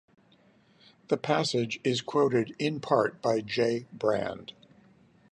The passage is quoted in part by J. Brand.